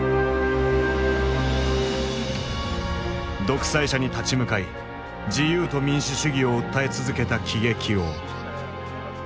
独裁者に立ち向かい自由と民主主義を訴え続けた喜劇王。